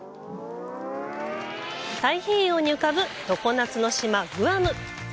太平洋に浮かぶ常夏の島グアム。